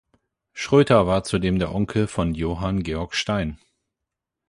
Schröter war zudem der Onkel von Johann Georg Stein.